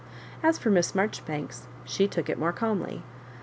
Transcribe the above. As for Miss Maijoribanks, she took it more calmly.